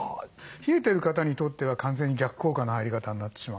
冷えてる方にとっては完全に逆効果の入り方になってしまうんですね。